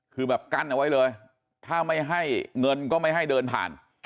คือแบบกั้นเอาไว้เลยถ้าไม่ให้เงินก็ไม่ให้เดินผ่าน